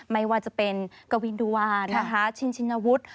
ไม่ว่าจะเป็นกวินดุวานนะคะชินชินวุฒิ